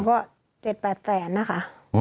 ครั้งที่สองก็๗๘แผนนะคะ